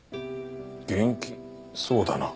元気そうだな。